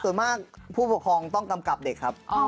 ส่วนมากผู้ปกครองต้องกำกับเด็กครับ